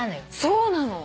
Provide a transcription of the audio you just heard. そうなの。